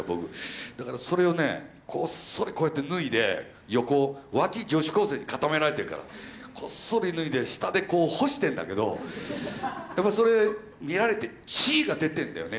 だからそれをねこっそりこうやって脱いで横脇女子高生に固められてるからこっそり脱いで下でこう干してんだけどやっぱりそれ見られて「チッ」が出てるんだよね。